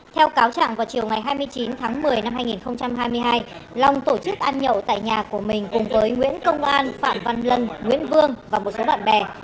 theo cáo chẳng vào chiều ngày hai mươi chín tháng một mươi năm hai nghìn hai mươi hai long tổ chức ăn nhậu tại nhà của mình cùng với nguyễn công an phạm văn lân nguyễn vương và một số bạn bè